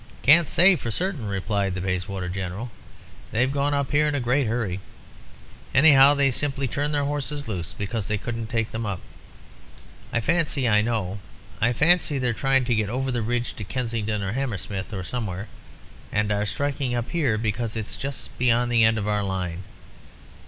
"'Can't say for certain,' replied the Bayswater General. 'They've gone up here in a great hurry, anyhow. They've simply turned their horses loose, because they couldn't take them up. I fancy I know. I fancy they're trying to get over the ridge to Kensingston or Hammersmith, or somewhere, and are striking up here because it's just beyond the end of our line.